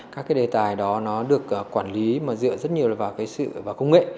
các đề tài đó được quản lý mà dựa rất nhiều vào công nghệ